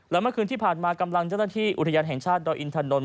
และเมื่อคืนที่ผ่านมากำลังเจ้าหน้าที่อุทยานแห่งชาติดอยอินทนนท